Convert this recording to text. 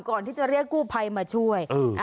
ก่อนที่จะเรียกกู้ภัยมาช่วย